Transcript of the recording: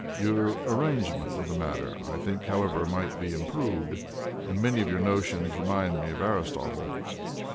Your arrangement of the matter, I think, however, might be improved, and many of your notions remind me of Aristotle.